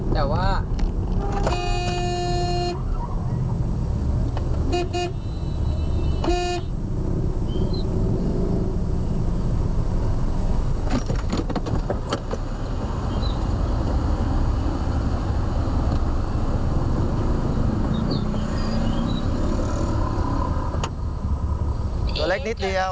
ตัวเล็กนิดเดียว